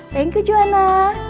thank you juana